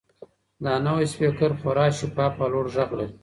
دا نوی سپیکر خورا شفاف او لوړ غږ لري.